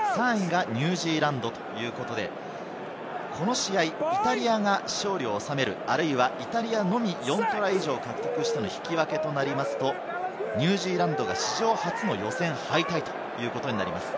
３位がニュージーランドということで、この試合、イタリアが勝利を収める、あるいはイタリアのみ、４トライ以上を獲得しての引き分けとなると、ニュージーランドが史上初の予選敗退ということになります。